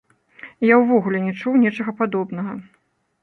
І я ўвогуле не чуў нечага падобнага.